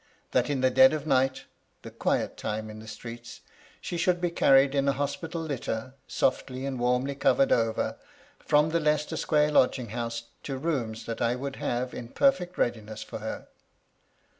That in the dead of night, — the quiet time in the streets, — ^she should be carried in a hospital litter, softly and wannly covered over, from the Leicester Square lodging house to rooms that I would have in perfect readiness for her.